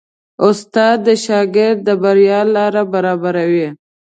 استاد د شاګرد د بریا لاره برابروي.